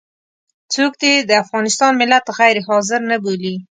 څوک دې د افغانستان ملت غير حاضر نه بولي.